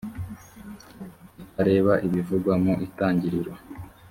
itareba ibivugwa mu itangiriro